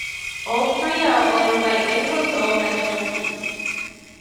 All three are owned by AngloGold Ashanti.